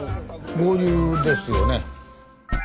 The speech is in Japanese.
合流ですよね。